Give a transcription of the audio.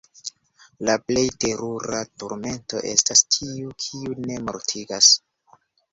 La plej terura turmento estas tiu, kiu ne mortigas!